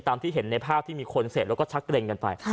ตามที่เห็นในภาพที่มีคนเสดลงก็ชักเตรงกันไป